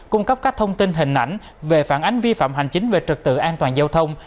cung cấp các thông tin hình ảnh về phản ánh vi phạm hành chính về trực tự an toàn giao thông